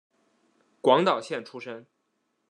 广岛县出身。